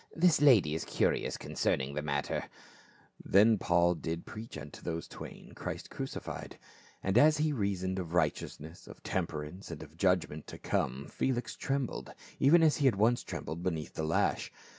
"This lady is curious concerning the matter." Then did Paul preach unto those twain Christ cruci fied. And as he reasoned of righteousness, of temper ance and of judgment to come, Felix trembled, even as he had once trembled beneath the lash.